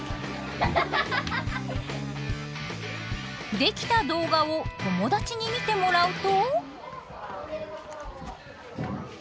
出来た動画を友達に見てもらうと？